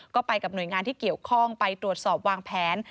ก็ไปกับหน่วยงานที่เกี่ยวข้องไปตรวจสอบวางแผน